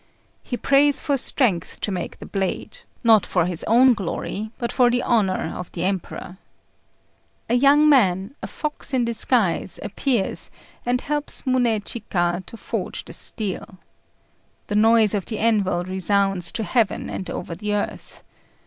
He prays for strength to make the blade, not for his own glory, but for the honour of the Emperor. A young man, a fox in disguise, appears, and helps Munéchika to forge the steel. The noise of the anvil resounds to heaven and over the earth.